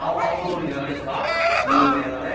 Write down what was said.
有名なね。